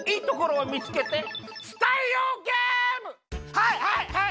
はいはいはい！